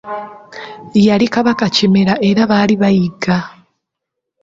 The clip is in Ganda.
Yali Kabaka Kimera era baali bayigga.